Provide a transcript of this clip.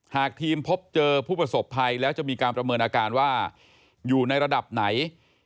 หากทีมพบเจอผู้ประสบภัยแล้วจะมีการประเมินอาการว่าอยู่ในระดับไหน